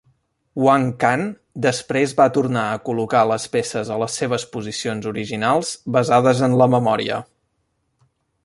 Wang Can després va tornar a col·locar les peces a les seves posicions originals basades en la memòria.